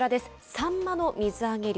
サンマの水揚げ量